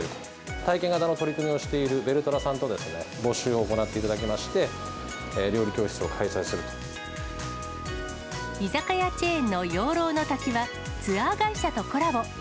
体験型の取り組みをしているベルトラさんと募集を行っていただきまして、居酒屋チェーンの養老乃瀧は、ツアー会社とコラボ。